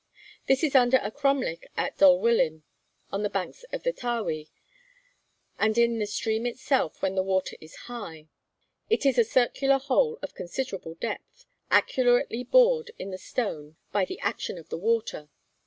This is under a cromlech at Dolwillim, on the banks of the Tawe, and in the stream itself when the water is high; it is a circular hole of considerable depth, accurately bored in the stone by the action of the water.